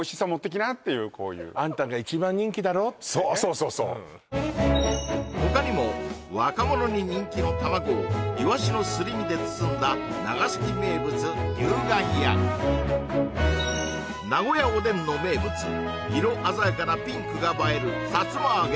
そうそう他にも若者に人気のたまごをいわしのすり身で包んだ長崎名物竜眼や名古屋おでんの名物色鮮やかなピンクが映えるさつま揚げ